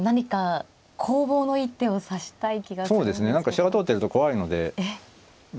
飛車が通ってると怖いので。